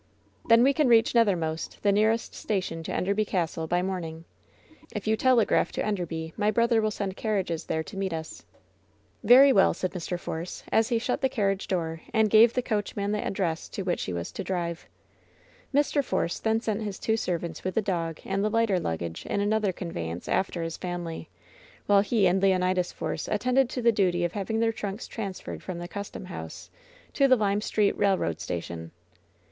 "Then we can reach Nethermost, the nearest station to Enderby Castle, by morning. If you tel^raph to Enderby my brother will send carriages there to meet us." "Very well," said Mr. Force, as he shut the carriage LOVE'S BITTEREST CUP 179 door and gave the coachman the address to which he was to drive. Mr. Force then sent his two servants with the dog and the lighter luggage in another conveyance after his fam ily, while he and Leonidas Force attended to the duty of having their trunks transferred from the custom house to the Lime Street Railroad Station.